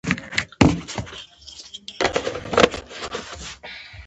واضح هدف د بازار رفتار ټاکي.